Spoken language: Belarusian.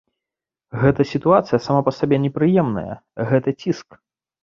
Гэтая сітуацыя сама па сабе непрыемная, гэта ціск.